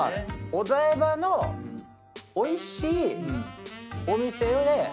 お台場のおいしいお店で食べたい。